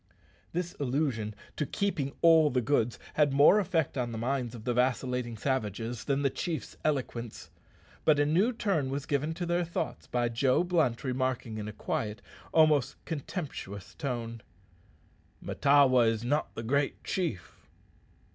This allusion to keeping all the goods had more effect on the minds of the vacillating savages than the chief's eloquence. But a new turn was given to their thoughts by Joe Blunt remarking in a quiet, almost contemptuous tone, "Mahtawa is not the great chief."